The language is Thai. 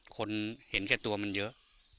คนเห็นแก่ตัวมันเยอะ